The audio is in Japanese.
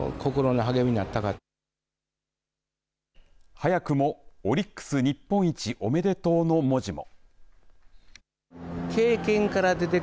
早くもオリックス日本一おめでとうの文字も。